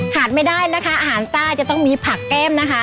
ขาดไม่ได้นะคะอาหารใต้จะต้องมีผักแก้มนะคะ